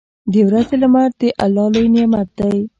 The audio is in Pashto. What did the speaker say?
• د ورځې لمر د الله لوی نعمت دی.